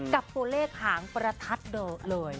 กับตัวเลขหางประทัดเดอะเลย